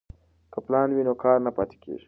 که پلان وي نو کار نه پاتې کیږي.